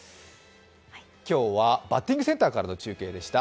今日はバッティングセンターからの中継でした。